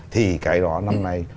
thì cái đó năm nay